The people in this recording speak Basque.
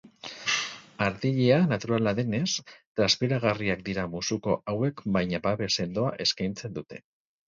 Artilea naturala denez, transpiragarriak dira musuko hauek baina babes sendoa eskeintzen dute.